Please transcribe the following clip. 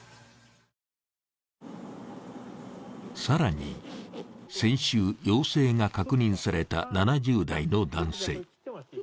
更に、先週、陽性が確認された７０代の男性。